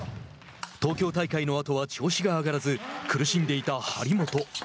東京大会のあとは調子が上がらず苦しんでいた張本。